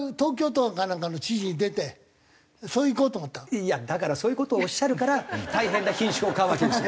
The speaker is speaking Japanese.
いやだからそういう事をおっしゃるから大変なひんしゅくを買うわけですよ。